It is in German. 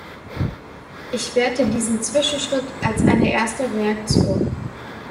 Ich werte diesen Zwischenschritt als eine erste Reaktion.